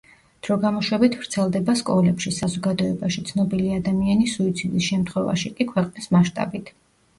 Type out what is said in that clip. დროგამოშვებით ვრცელდება სკოლებში, საზოგადოებაში, ცნობილი ადამიანის სუიციდის შემთხვევაში კი ქვეყნის მასშტაბით.